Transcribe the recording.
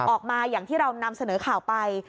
อย่างที่เรานำเสนอข่าวไป